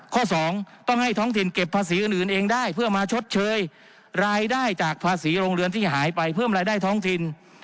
ข้อสองต้องให้ท้องถิ่นเก็บภาษีอื่นเองได้เพื่อมาชดเชยรายได้จากภาษีโรงเรือนที่หายไปเพิ่มรายได้ท้องถิ่น